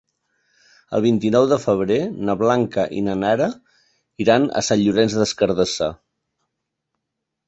El vint-i-nou de febrer na Blanca i na Nara iran a Sant Llorenç des Cardassar.